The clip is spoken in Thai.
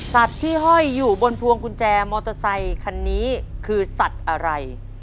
ที่ห้อยอยู่บนพวงกุญแจมอเตอร์ไซคันนี้คือสัตว์อะไร